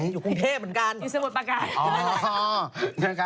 อยู่กรุงเทพฯเหมือนกัน